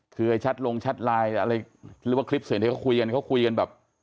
เคยชัดลงชัดลายหรือว่าคลิปสักวันมีคุยกัน